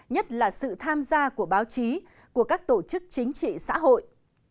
nhất là sự tham gia của báo chí của các tổ chức chính trị xã hội